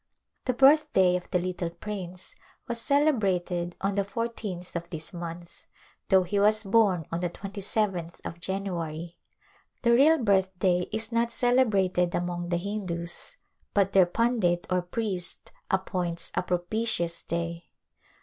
The birthday of the little prince was celebrated on the fourteenth of this month, though he was born on the 27th of January. The real birthday is not celebrated among the Hindus but their pundit or priest appoints a propitious day.